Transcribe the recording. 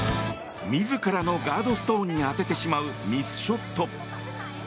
自らのガードストーンに当ててしまうミスショット。